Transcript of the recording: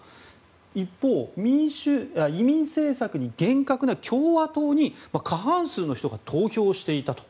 一方、移民政策に厳格な共和党に過半数の人が投票していたと。